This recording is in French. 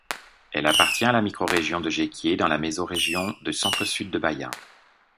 Elle appartient à la Microrégion de Jequié dans la Mésorégion du Centre-Sud de Bahia.